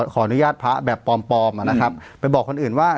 ขออนุญาตพระแบบปลอมนะครับไปบอกคนอื่นว่า